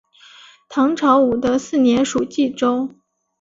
唐朝武德四年属济州。